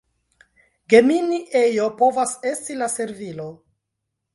Gemini ejo povas esti la servilo.